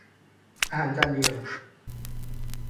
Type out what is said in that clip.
อาหารจานเดียว